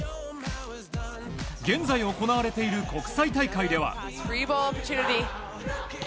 現在行われている国際大会では。